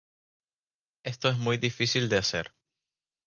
Esto es muy difícil de hacer.